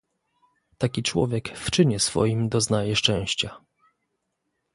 "Taki człowiek w czynie swoim doznaje szczęścia."